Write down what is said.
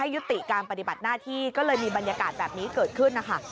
ยุติการปฏิบัติหน้าที่ก็เลยมีบรรยากาศแบบนี้เกิดขึ้นนะคะ